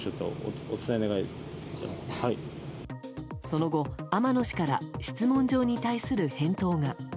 その後、天野氏から質問状に対する返答が。